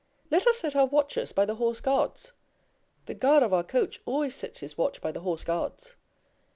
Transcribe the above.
Let us set our watches by the Horse Guards. The guard of our coach always sets his watch by the Horse Guards.